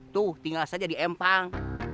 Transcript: tuh tinggal saja di empang